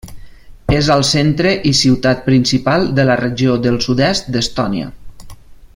És al centre i ciutat principal de la regió del sud-est d'Estònia.